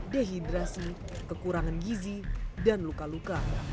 dehidrasi kekurangan gizi dan luka luka